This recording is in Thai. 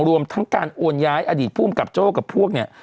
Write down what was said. รวมทั้งการโอนย้ายอดีตภูมิกับโจ้กับพวกเนี่ย